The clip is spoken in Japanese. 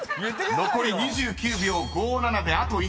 ［残り２９秒５７であと１問です。